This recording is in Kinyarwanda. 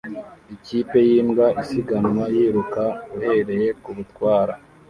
Ikipe yimbwa isiganwa yiruka uhereye kubatwara